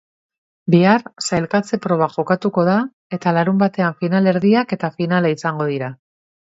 Bihar sailkatze proba jokatuko da eta larunbatean finalerdiak eta finala izango dira.